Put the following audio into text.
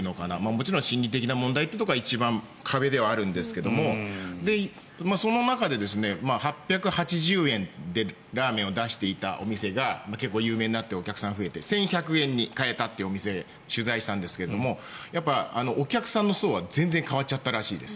もちろん心理的な問題というところが一番壁ではあるんですがその中で８８０円でラーメンを出していたお店が結構有名になってお客さんが増えて１１００円に変えたというお店を取材したんですがお客さんの層は全然変わっちゃったらしいです。